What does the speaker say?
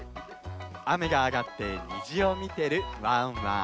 あめがあがってにじをみてるワンワン。